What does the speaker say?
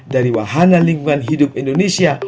dari wahana lingkungan hidup indonesia